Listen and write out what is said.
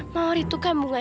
maor itu kan berpengalaman